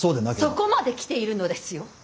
そこまで来ているのですよ。